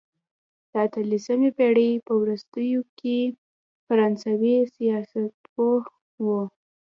د اتلسمې پېړۍ په وروستیو کې فرانسوي سیاستپوه وو.